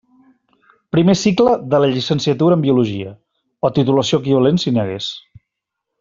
Primer cicle de la Llicenciatura en Biologia, o titulació equivalent si n'hi hagués.